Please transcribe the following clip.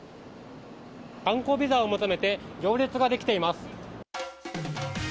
観光ビザを求めて、行列が出来ています。